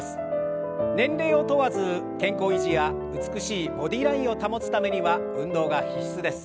年齢を問わず健康維持や美しいボディーラインを保つためには運動が必須です。